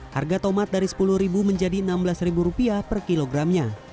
harga tomat dari rp sepuluh menjadi rp enam belas per kilogramnya